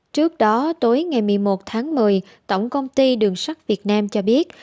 trước đó tối ngày một mươi một tháng một mươi tổng công ty đường sắt việt nam cho biết